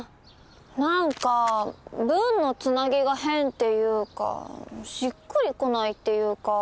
何か文のつなぎが変っていうかしっくり来ないっていうか。